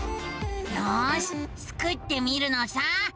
よしスクってみるのさ。